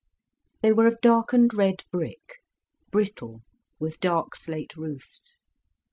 They were of darkened red brick, brittle, with dark slate roofs.